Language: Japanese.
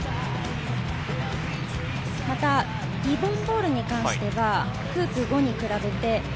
また、リボン・ボールに関してはフープ５に比べて。